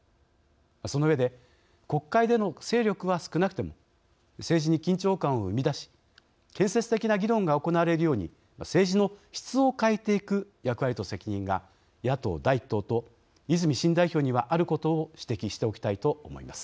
その上で国会での勢力は少なくても政治に緊張感を生みだし建設的な議論が行われるように政治の質を変えていく役割と責任が野党第１党と泉新代表にはあることを指摘しておきたいと思います。